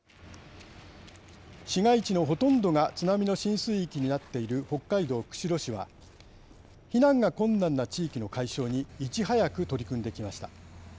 市街地のほとんどが津波の浸水域になっている北海道釧路市は避難が困難な地域の解消にいち早く取り組んできました。